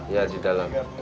ya di dalam